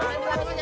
tunggu tunggu ya